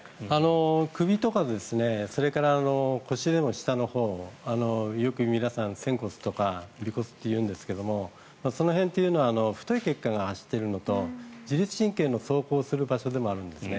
首とかそれから腰より下のほうよく皆さん仙骨とか尾骨というんですがその辺というのは太い血管が走っているんですが自律神経の走行する場所でもあるんです。